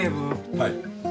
はい。